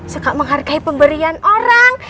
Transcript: suka menghargai pemberian orang